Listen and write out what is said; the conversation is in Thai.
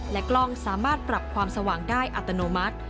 กล้องสามารถปรับความสว่างได้อัตโนมัติ